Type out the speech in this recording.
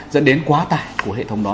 dẫn đến quá tải của hệ thống đó